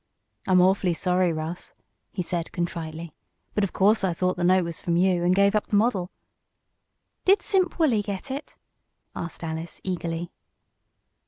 "I'm awfully sorry, Russ," he said, contritely. "But of course I thought the note was from you, and gave up the model." "Did Simp Wolley get it?" asked Alice, eagerly.